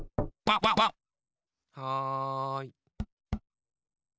・はい。